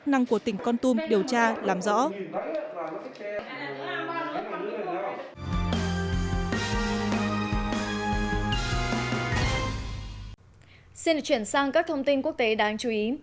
xin được chuyển sang các thông tin quốc tế đáng chú ý